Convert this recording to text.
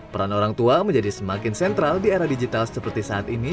peran orang tua menjadi semakin sentral di era digital seperti saat ini